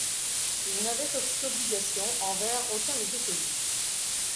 Ils n'avaient aucune obligation envers aucun des deux pays.